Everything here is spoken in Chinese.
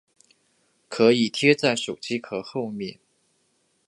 可以贴在手机壳后面